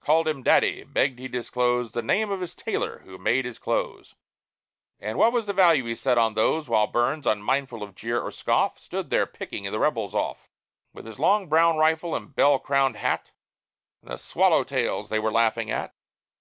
Called him "Daddy," begged he'd disclose The name of his tailor who made his clothes, And what was the value he set on those; While Burns, unmindful of jeer or scoff, Stood there picking the rebels off, With his long brown rifle, and bell crowned hat, And the swallow tails they were laughing at.